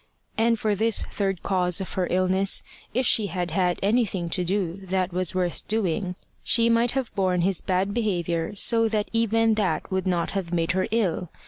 And for this third cause of her illness, if she had had anything to do that was worth doing, she might have borne his bad behaviour so that even that would not have made her ill.